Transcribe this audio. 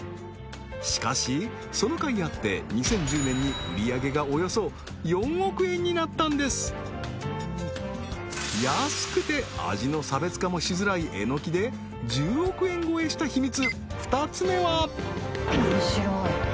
しかしそのかいあって２０１０年に売り上げがおよそ４億円になったんです安くて味の差別化もしづらいえのきで１０億円超えした秘密